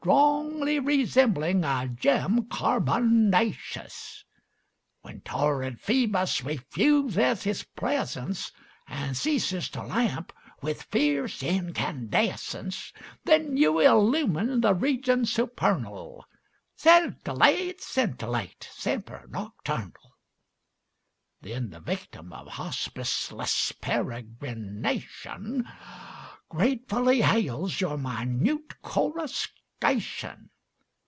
Strongly resembling a gem carbonaceous. When torrid Phoebus refuses his presence And ceases to lamp with fierce incandescence^ Then you illumine the regions supernal. Scintillate, scintillate, semper nocturnal. Saintc Margirie 4T7 Then the yictiin of hospiceless peregrination Gratefully hails your minute coruscation.